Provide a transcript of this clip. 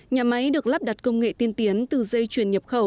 nhà máy được lắp đặt công nghệ tiên tiến từ dây chuyền nhập khẩu